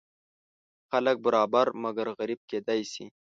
خلک برابر مګر غریب کیدی شي.